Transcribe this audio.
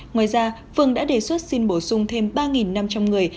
ngoài ra phường đã đề xuất xin bảo vệ các nhân dân đồng thời ghi nhận bức xúc